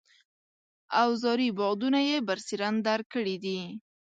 اوزاري بعدونه یې برسېرن درک کړي دي.